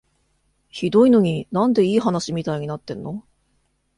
ひどいのに、なんでいい話みたいになってんの？